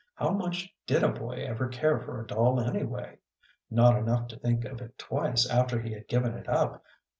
How much did a boy ever care for a doll, anyway? Not enough to think of it twice after he had given it up.